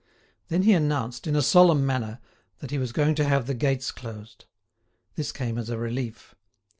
Then he announced, in a solemn manner, that he was going to have the gates closed. This came as a relief.